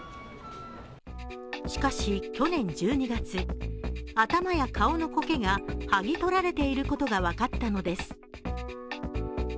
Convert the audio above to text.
しかし去年１２月、頭や顔のこけが剥ぎ取られていることが分かったのです。